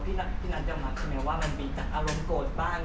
พี่นัทจะหมัดใช่ไหมว่ามันมีอารมณ์โกรธบ้าง